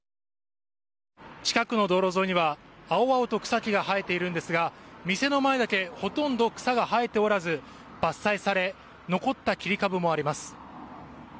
近くの道路沿いには青々と草木が生えているんですが店の前だけほとんど草が生えておらず伐採され残った切り株もあります。